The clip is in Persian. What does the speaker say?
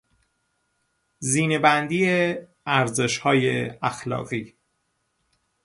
زینهبندی ارزشهای اخلاقی